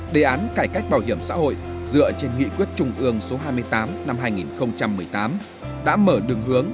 đề án cải cách bảo hiểm xã hội dựa trên nghị quyết trung ương số hai mươi tám năm hai nghìn một mươi tám đã mở đường hướng